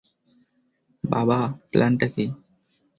বাবা, প্ল্যানটা কী?